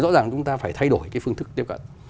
rõ ràng chúng ta phải thay đổi cái phương thức tiếp cận